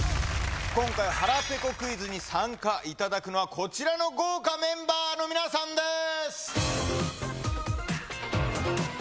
今回、腹ぺこクイズに参加いただくのは、こちらの豪華メンバーの皆さんです。